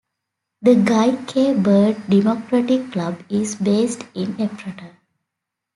The Guy K Bard Democratic Club is based in Ephrata.